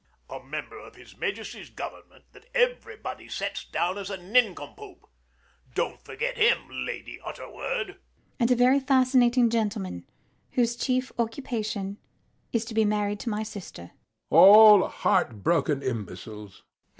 A member of His Majesty's Government that everybody sets down as a nincompoop: don't forget him, Lady Utterword. LADY UTTERWORD. And a very fascinating gentleman whose chief occupation is to be married to my sister. HECTOR. All heartbroken imbeciles.